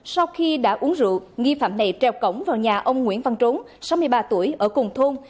sau khi đã uống rượu nghi phạm này treo cổng vào nhà ông nguyễn văn rốn sáu mươi ba tuổi ở cùng thôn